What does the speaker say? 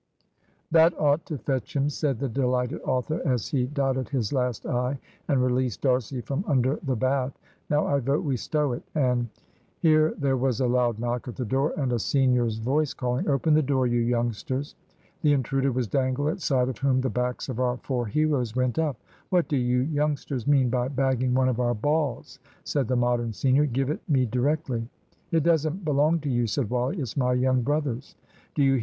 "That ought to fetch him," said the delighted author, as he dotted his last "i," and released D'Arcy from under the bath. "Now I vote we stow it, and " Here there was a loud knock at the door and a senior's voice calling, "Open the door, you youngsters." The intruder was Dangle, at sight of whom the backs of our four heroes went up. "What do you youngsters mean by bagging one of our balls!" said the Modern senior. "Give it me directly." "It doesn't belong to you," said Wally; "it's my young brother's." "Do you hear?